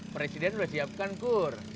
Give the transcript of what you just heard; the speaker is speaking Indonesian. presiden sudah siapkan kur